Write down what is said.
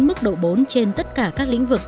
mức độ bốn trên tất cả các lĩnh vực